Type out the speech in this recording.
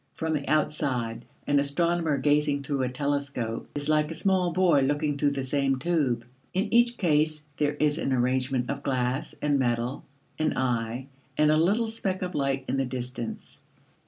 From the outside, an astronomer gazing through a telescope is like a small boy looking through the same tube. In each case, there is an arrangement of glass and metal, an eye, and a little speck of light in the distance.